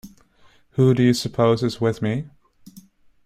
Who do you suppose is with me?